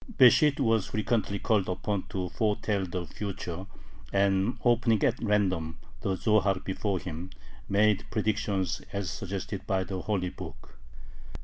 Besht was frequently called upon to foretell the future, and, opening at random the Zohar before him, made predictions as suggested by the holy book.